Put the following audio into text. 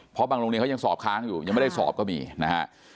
เพราะบางโรงเรียนเขายังสอบค้างอยู่ยังไม่ได้สอบก็มีนะฮะ